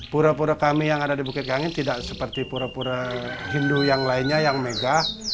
pura pura kami yang ada di bukit kangen tidak seperti pura pura hindu yang lainnya yang megah